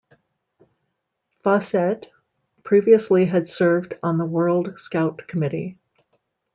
Fossett previously had served on the World Scout Committee.